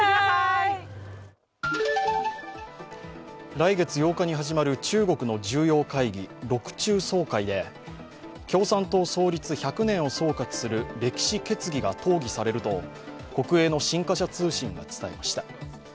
来月８日に始まる中国の銃よ会議、六中総会で共産党創立１００年を総括する歴史決議が討議されると国営の新華社通信が伝えました。